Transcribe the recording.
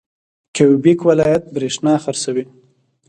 کیوبیک ولایت بریښنا خرڅوي.